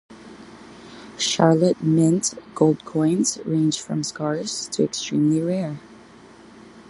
Charlotte Mint gold coins range from scarce to extremely rare.